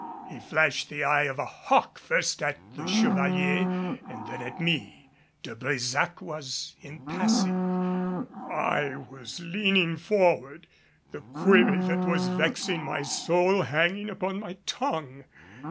He flashed the eye of a hawk first at the Chevalier and then at me. De Brésac was impassive. I was leaning forward, the query that was vexing my soul hanging upon my tongue.